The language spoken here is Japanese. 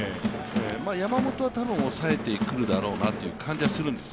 山本は多分抑えてくるだろうなという感じはするんです。